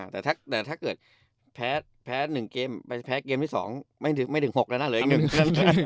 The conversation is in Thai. แต่ถ้าเกิดแพ้๑เกมแพ้เกมที่๒ไม่ถึง๖แล้วนะเหลืออีก๑เกม